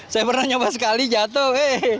saya pernah nyoba sekali jatuh eh